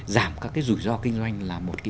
giảm các cái rủi ro kinh doanh là một cái